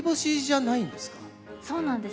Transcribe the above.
そうなんです。